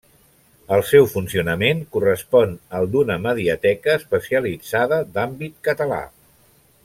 El seu funcionament correspon al d'una mediateca especialitzada d'àmbit català.